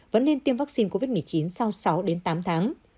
vẫn nên tiêm vaccine covid một mươi chín sau sáu đến tám tháng